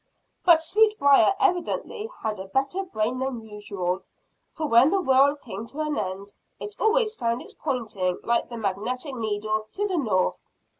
But Sweetbriar evidently had a better brain than usual, for when the whirl came to an end, it always found his pointing like the magnetic needle to the north.